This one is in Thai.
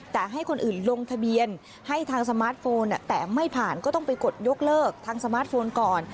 แต่ให้คนอื่นลงทะเบียนให้ทางสมาร์ทโฟนแต่ไม่ผ่านก็ต้องไปกดยกเลิกทางสมาร์ทโฟนก่อน